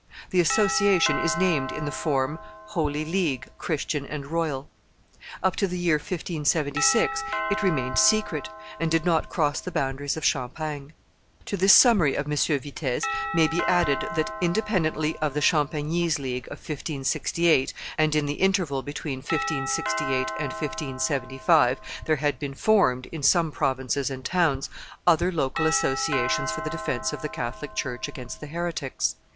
The association is named, in the form, Holy League, Christian and royal. Up to the year 1576 it remained secret, and did not cross the boundaries of Champagne." To this summary of M. Vitet's may be added that independently of the Champagnese league of 1568 and in the interval between 1568 and 1575 there had been formed, in some provinces and towns, other local associations for the defence of the Catholic church against the heretics.